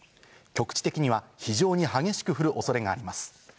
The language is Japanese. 局地的には非常に激しく降る恐れがあります。